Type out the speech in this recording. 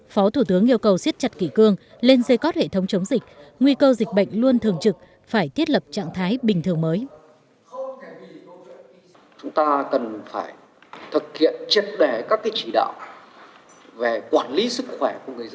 phó thủ tướng yêu cầu siết chặt kỷ cương lên dây cót hệ thống chống dịch nguy cơ dịch bệnh luôn thường trực phải thiết lập trạng thái bình thường mới